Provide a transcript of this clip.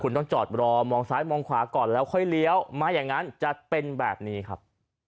คุณต้องจอดรอมองซ้ายมองขวาก่อนแล้วค่อยเลี้ยวไม่อย่างนั้นจะเป็นแบบนี้ครับ